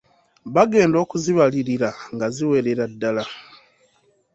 Bagenda okuzibalirira nga ziwerera ddala.